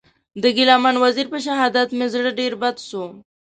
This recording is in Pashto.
د ګیله من وزېر په شهادت مې زړه ډېر بد سو.